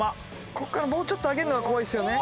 ここからもうちょっと上げるのが怖いですよね。